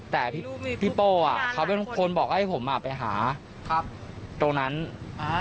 แต่พี่พี่โป้อ่ะเขาเป็นคนบอกให้ผมอ่ะไปหาครับตรงนั้นอ่า